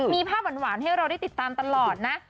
มีภาพหวานให้เราได้ติดตามตลอดนะ